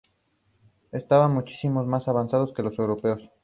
Estos juicios se conocieron con el nombre de juicios por la verdad.